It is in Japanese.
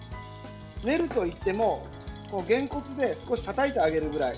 練るといっても、げんこつで少したたいてあげるくらい。